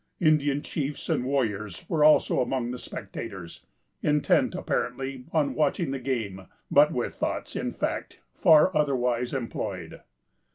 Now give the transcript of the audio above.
Indian chiefs and warriors were also among the spectators, intent, apparently, on watching the game, but with thoughts, in fact, far otherwise employed.